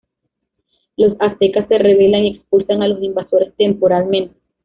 Los aztecas se rebelan y expulsan a los invasores temporalmente.